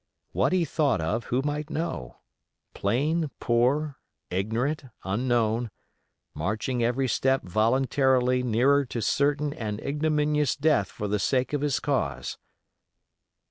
What he thought of, who might know?—plain; poor; ignorant; unknown; marching every step voluntarily nearer to certain and ignominious death for the sake of his cause.